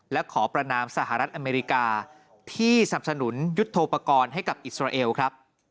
และขอประนามสหรัฐอเมริกาที่สนับสนุนยุทธโปรกรณ์ให้กับอิสราเอลครับ